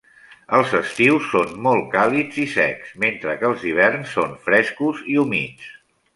Els estius són molt càlids i secs, mentre que els hiverns són frescos i humits.